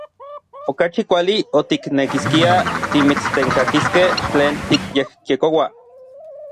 Okachi kuali otiknekiskiaj timitstenkakiskej tlen tikyejyekoua.